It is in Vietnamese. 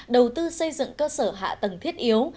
đầu tư xây dựng cơ sở hạ tầng thiết yếu